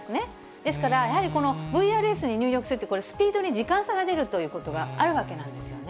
ですから、やはりこのＶＲＳに入力すると、これ、スピードに時間差が出るということもあるわけなんですよね。